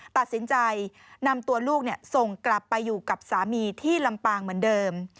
ตัดสินใจนำตัวลูกส่งกลับไปอยู่กับสามีที่ลำปางเหมือนเดิม